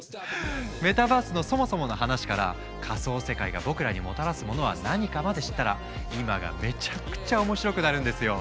メタバースのそもそもの話から仮想世界が僕らにもたらすものは何かまで知ったら今がめちゃくちゃ面白くなるんですよ！